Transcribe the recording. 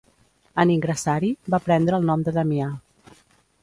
En ingressar-hi, va prendre el nom de Damià.